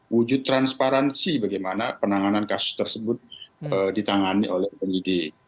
wujud transparansi bagaimana penanganan kasus tersebut ditangani oleh penyidik